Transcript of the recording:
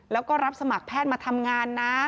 แล้วก็รับสมัครแพทย์มาทำงานนะ